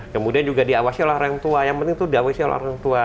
kemudian juga diawasi oleh orang tua yang penting itu diawasi oleh orang tua